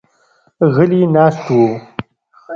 غلي ناست وو.